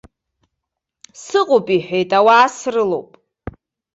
Сыҟоуп, иҳәеит, ауаа срылоуп.